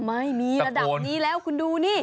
ไม่มีระดับนี้แล้วคุณดูนี่